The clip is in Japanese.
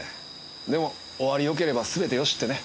でも終わりよければ全てよしってね。